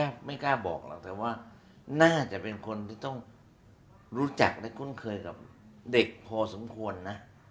ไม่กล้าบอกหรอกแต่ว่าน่าจะเป็นคนที่ต้องรู้จักและคุ้นเคยกับเด็กพอสมควรนะ